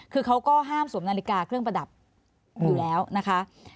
คือเขาก็ห้ามสวมนาฬิกาเครื่องประดับอยู่แล้วนะคะ